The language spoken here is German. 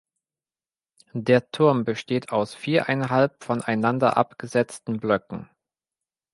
Der Turm besteht aus viereinhalb voneinander abgesetzten Blöcken.